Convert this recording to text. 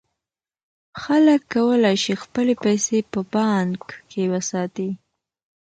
خلک کولای شي خپلې پیسې په بانک کې وساتي.